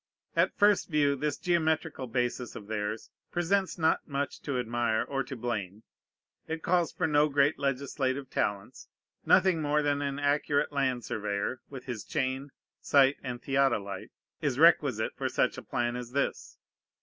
At first view this geometrical basis of theirs presents not much to admire or to blame. It calls for no great legislative talents. Nothing more than an accurate land surveyor, with his chain, sight, and theodolite, is requisite for such a plan as this.